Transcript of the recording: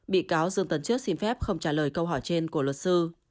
bị cáo dương tấn trước xin phép không trả lời câu hỏi trên của luật sư